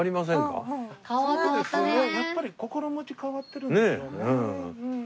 やっぱり心持ち変わってるんですよね。